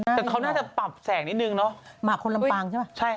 แต่เขาน่าจะปรับแสงนิดหนึ่ง